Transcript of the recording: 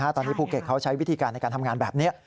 ตอนนี้ภูเก็ตเขาใช้วิธีการในการทำงานแบบนี้